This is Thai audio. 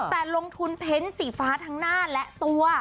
แต่ลงทุนเพ้นสีฟ้าทั้งหน้าและตัว